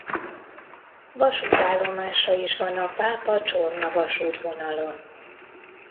Vasútállomása is van a Pápa–Csorna-vasútvonalon.